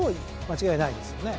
間違いないですよね。